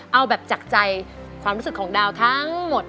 เอาแบบจากใจความรู้สึกของดาวทั้งหมด